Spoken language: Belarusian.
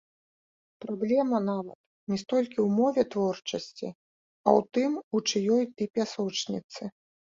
Праблема нават не столькі ў мове творчасці, а ў тым, у чыёй ты пясочніцы.